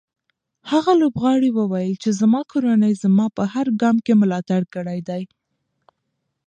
هغه لوبغاړی وویل چې زما کورنۍ زما په هر ګام کې ملاتړ کړی دی.